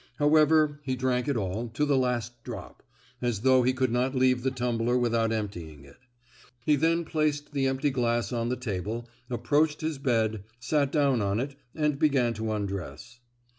However, he drank it all, to the last drop, as though he could not leave the tumbler without emptying it. He then placed the empty glass on the table, approached his bed, sat down on it, and began to undress.